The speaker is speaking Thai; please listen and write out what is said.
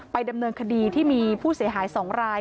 ดำเนินคดีที่มีผู้เสียหาย๒ราย